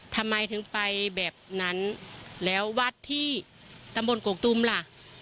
ทำไมถึงไปแบบนั้นแล้ววัดที่ตำบลกกตุมล่ะ